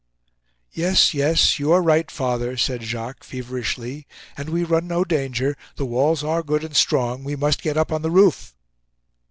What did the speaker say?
"Yes, yes; you are right, father," said Jacques, feverishly. "And we run no danger—the walls are good and strong. We must get up on the roof."